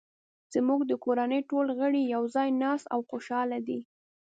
زموږ د کورنۍ ټول غړي یو ځای ناست او خوشحاله دي